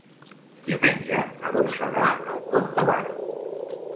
Diumenge na Dolça va al Pont de Bar.